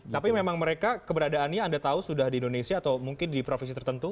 tapi memang mereka keberadaannya anda tahu sudah di indonesia atau mungkin di provinsi tertentu